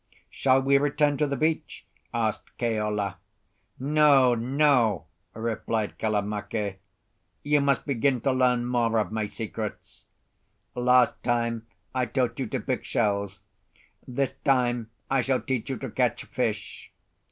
"Shall we return to the beach?" asked Keola. "No, no!" replied Kalamake; "you must begin to learn more of my secrets. Last time I taught you to pick shells; this time I shall teach you to catch fish.